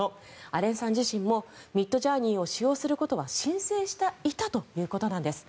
アレンさん自身もミッドジャーニーを使用することは申請していたということなんです。